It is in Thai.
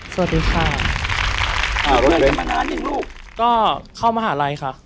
สวัสดีค่ะเพื่อนกันมานานหนึ่งลูกก็เข้ามหาลัยค่ะ